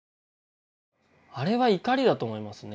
あれは怒りだと思いますね。